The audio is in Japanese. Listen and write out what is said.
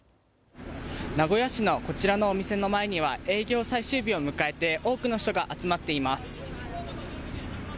名古屋市のこちらのお店の前には営業最終日を迎えて多くの人が集まっています。